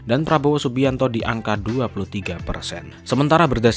anies baswedan di peringkat kedua dengan dua puluh tiga sembilan